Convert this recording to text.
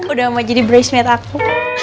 udah mau jadi bracemat aku